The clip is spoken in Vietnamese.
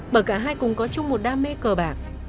bởi cả hai cùng có chung một đam mê cờ bạc